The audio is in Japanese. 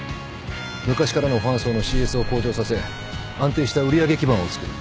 昔からのファン層のＣＳを向上させ安定した売り上げ基盤をつくる。